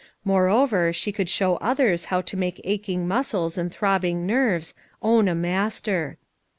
More over she could show others how to make ach ing muscles and throbbing nerves own a mas ter.